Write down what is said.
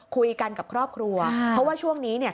คุยกับครอบครัวเพราะว่าช่วงนี้